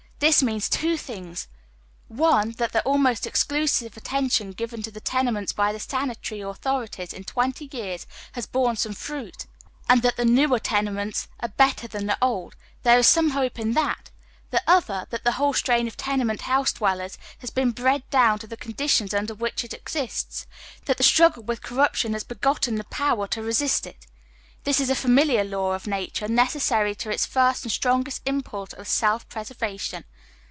This meana two , things : one, that the almost exclusive attention given to the tenementa by the sanitary authorities in twenty years haa borne Bome fruit, and tliat the newer tenements are better than the old — there is some hope in that ; the other, that the whole atrain of tenement house dwellera haa been bred down to the conditions under which it exists, that the struggle with corruption haa begotten the power to I'eaist it. This is a familiar law of nature, necessary to its fii'st and strongest impulse of self preservation.